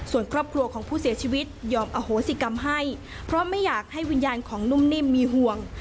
ส่วนครอบครัวของผู้เสียชีวิตยอมอโหสิกรรมให้เพราะไม่อยากให้วิญญาณของนุ่มนิ่มมีห่วง